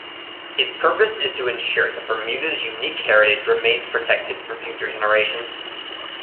Its purpose is to ensure that Bermuda's unique heritage remains protected for future generations.